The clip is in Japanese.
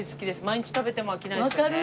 毎日食べても飽きないですよね。